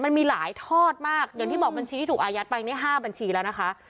มันมีหลายทอดมากอย่างที่บอกบัญชีที่ถูกอายัดไปเนี่ย๕บัญชีแล้วนะคะ